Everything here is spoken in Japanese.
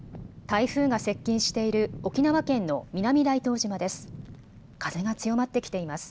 台風が接近している沖縄県の南大東島です。